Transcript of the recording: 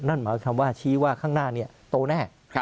นั่นหมายความว่าชี้ว่าข้างหน้านี้โตแน่